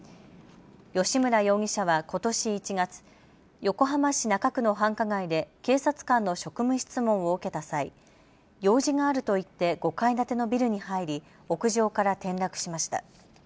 吉村容疑者はことし１月、横浜市中区の繁華街で警察官の職務質問を受けた際、用事があると言って５階建てのビルに入り屋上から転落しました。